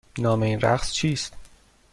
نام این رقص چیست؟